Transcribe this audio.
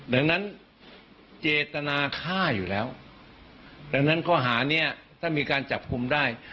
ดังนั้นเจตนาฆ่าอยู่แล้วดังนั้นข้อหานี้ถ้ามีการจับกลุ่มได้